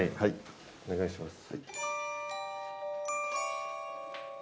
お願いします。